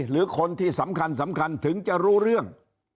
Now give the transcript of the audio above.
หรือคนที่สำคัญถึงจะรู้เรื่อง